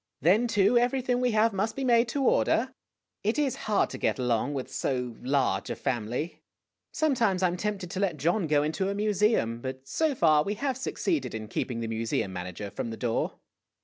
Then, too, everything we have must be made to order. It is hard to get along with so large a family. Sometimes I 'm tempted to let John go into a museum ; but so far we have succeeded in keeping the mu seum manager from the door."